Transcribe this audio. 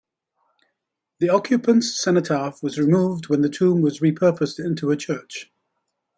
The occupant's cenotaph was removed when the tomb was repurposed into a church.